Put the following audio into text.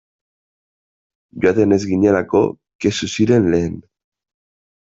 Joaten ez ginelako kexu ziren lehen.